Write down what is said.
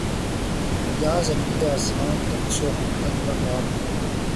یاں زمیں سے آسماں تک سوختن کا باب تھا